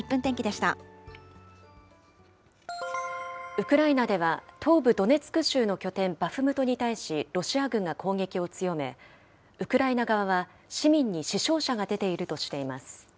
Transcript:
ウクライナでは、東部ドネツク州の拠点、バフムトに対し、ロシア軍が攻撃を強め、ウクライナ側は市民に死傷者が出ているとしています。